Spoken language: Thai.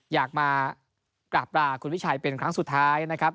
อยากมากราบราคุณวิชัยเป็นครั้งสุดท้ายนะครับ